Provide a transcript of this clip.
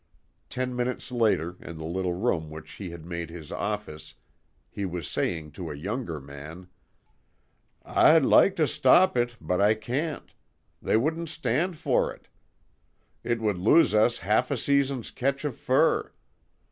Ten minutes later, in the little room which he had made his office, he was saying to a younger man: "I'd like to stop it, but I can't. They wouldn't stand for it. It would lose us half a season's catch of fur.